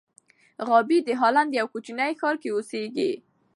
غابي د هالنډ یوه کوچني ښار کې اوسېږي.